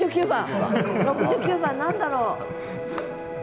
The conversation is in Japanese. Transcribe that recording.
６９番何だろう？